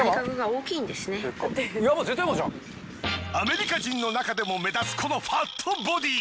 アメリカ人の中でも目立つこのファットボディー。